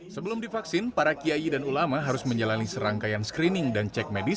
sebelum divaksin para kiai dan ulama harus menjalani serangkaian screening dan cek medis